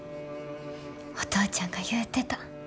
お父ちゃんが言うてた。